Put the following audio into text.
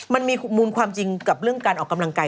มันมีมูลความจริงกับเรื่องการออกกำลังกาย